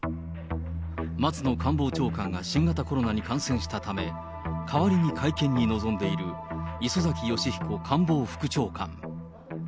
松野官房長官が新型コロナに感染したため、代わりに会見に臨んでいる磯崎仁彦官房副長官。